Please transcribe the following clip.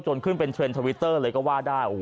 ขึ้นเป็นเทรนดทวิตเตอร์เลยก็ว่าได้